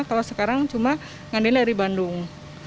kalau sekarang cuma ngambilnya dari bandung